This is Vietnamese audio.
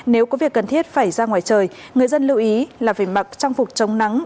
nếu có việc cần thiết phải ra ngoài trời người dân lưu ý là phải mặc trang phục chống nắng